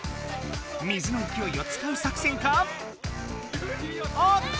水のいきおいをつかう作戦か⁉おっと！